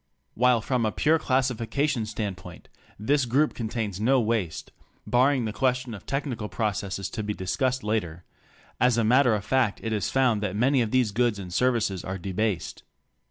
While from a pure classification standpoint this group contains no waste (barring the question of technical pro cesses to be discussed later), as a matter of fact it is found that many of these goods and services are debased.